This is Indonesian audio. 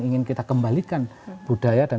ingin kita kembalikan budaya dan